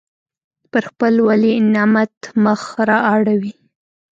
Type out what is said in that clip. پر خپل ولینعمت مخ را اړوي.